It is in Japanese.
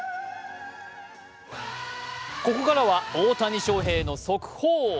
ここからは大谷翔平の速報。